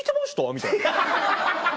みたいな。